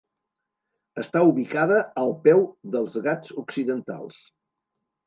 Està ubicada al peu dels Ghats Occidentals.